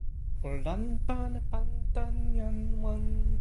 o lanpan e pan tan jan wan.